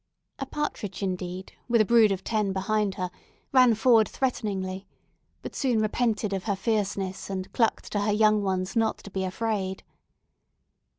A partridge, indeed, with a brood of ten behind her, ran forward threateningly, but soon repented of her fierceness, and clucked to her young ones not to be afraid.